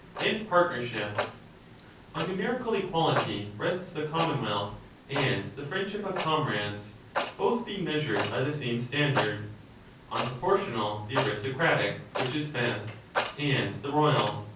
1241^ ETHICA EUDEMIA 35 partnership ; on numerical equality rests the common wealth,^ and the friendship of comrades — both being measured by the same standard, on proportional the aristocratic (which is best),^ and the royal.